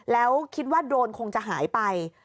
แล้วคิดว่าโดรนคงจะหายไป